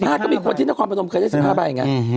มันมี๑๕ก็มีคนที่นักความผนมเคยได้๑๕ใบอย่างงี้